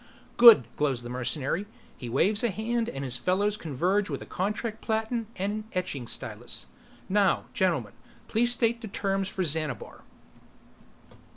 "Good!" glows the mercenary. He waves a hand and his fellows converge with contract platen and etching stylus. "Now, gentlemen, please state the terms for Xanabar."